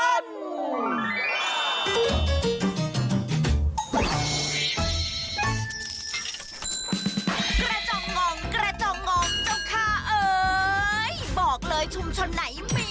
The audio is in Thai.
กระจ่องงองกระจ่องงองเจ้าข้าเอ๋ย